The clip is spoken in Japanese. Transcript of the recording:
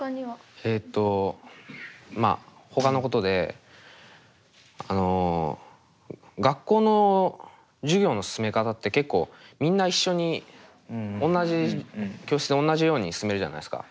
えっとまあほかのことであの学校の授業の進め方って結構みんな一緒に同じ教室で同じように進めるじゃないですか。